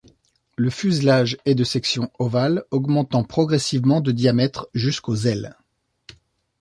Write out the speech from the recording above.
Le fuselage est de section ovale augmentant progressivement de diamètre jusqu'aux ailes.